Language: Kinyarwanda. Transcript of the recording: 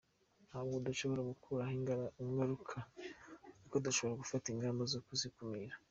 Ntabwo dushobora gukuraho ingaruka ariko dushobora gufata ingamba zo kuzikumira“.